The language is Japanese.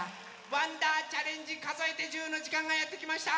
「わんだーチャレンジかぞえて１０」のじかんがやってきました！